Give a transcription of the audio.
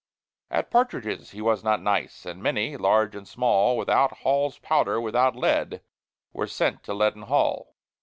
At partridges he was not nice; And many, large and small, Without Hall's powder, without lead, Were sent to Leaden Hall.